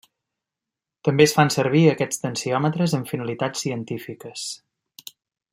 També es fan servir aquests tensiòmetres amb finalitats científiques.